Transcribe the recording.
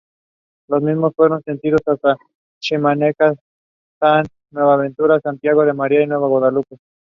It is found in the Maluku Islands.